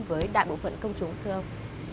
với đại bộ phận công chúng thưa ông